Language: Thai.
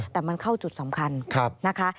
แต่มันเข้าจุดสำคัญนะคะ